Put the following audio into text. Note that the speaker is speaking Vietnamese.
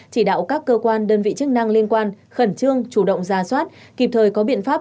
chỉ đạo các cơ quan đơn vị chức năng liên quan khẩn trương chủ động ra soát kịp thời có biện pháp